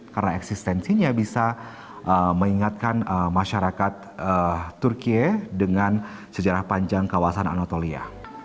karena eksistensinya bisa mengingatkan masyarakat turki dengan sejarah panjang kawasan anatolia